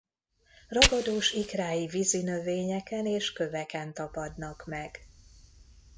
Ragadós ikrái vízinövényeken és köveken tapadnak meg.